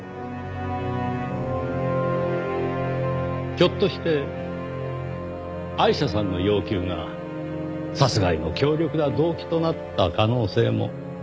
ひょっとしてアイシャさんの要求が殺害の強力な動機となった可能性も。